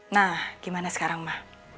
nah gimana sekarang ma